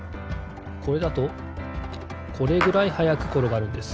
これだとこれぐらいはやくころがるんです。